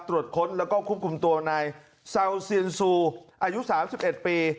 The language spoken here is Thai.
ตรวจค้นแล้วก็ควบคุมตัวนายซาวเซียนซูอายุ๓๑ปี